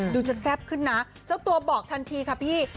ดูจะแซ่บขึ้นนะเจ้าตัวบอกทันทีค่ะพี่